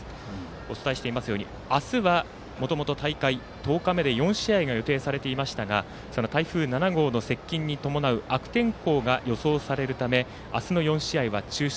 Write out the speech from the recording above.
お伝えしていますように明日はもともと大会１０日目で４試合が予定されていましたが台風７号の接近に伴う悪天候が予想されるため明日の４試合は中止。